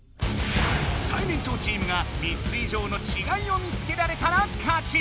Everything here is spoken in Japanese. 最年長チームが３ついじょうのちがいを見つけられたら勝ち！